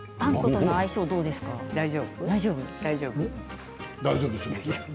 大丈夫？